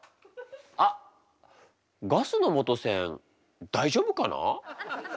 あっガスの元栓大丈夫かな？